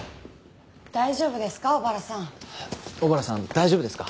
大丈夫ですか？